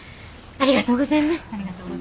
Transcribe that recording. ありがとうございます。